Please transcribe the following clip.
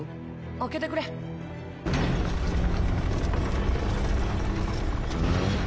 開けてくれん？